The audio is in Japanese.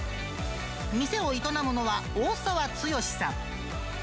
店を営むのは、大澤剛さん。